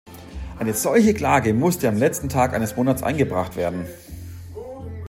Eine solche Klage musste am letzten Tag eines Monats eingebracht werden.